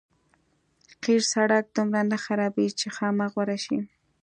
قیر سړک دومره نه خرابېږي چې خامه غوره شي.